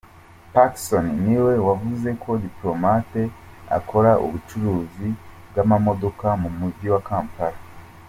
Pacson niwe wavuze ko Diplomate akora ubucuruzi bw’amamodoka mu mujyi wa Kampala.